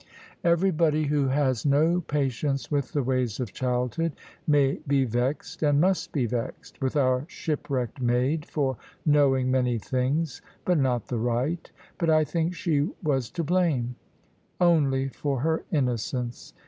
Everybody who has no patience with the ways of childhood, may be vexed, and must be vexed, with our shipwrecked maid for knowing many things, but not the right; but I think she was to blame, only for her innocence.